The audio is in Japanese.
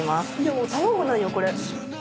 もう卵なんよこれ。